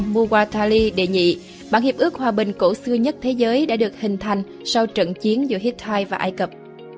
vua mugatali đệ nhị bản hiệp ước hòa bình cổ xưa nhất thế giới đã được hình thành sau trận chiến giữa hittai và ai cập